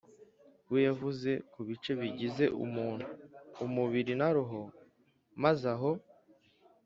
we yavuze ku bice bigize umuntu (umubiri na roho), maze aho